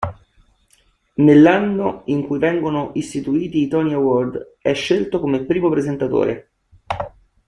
Nell'anno in cui vengono istituiti i Tony Award è scelto come primo presentatore.